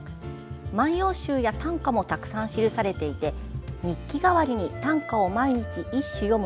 万葉集や短歌もたくさん記されていて日記代わりに短歌を毎日一首詠む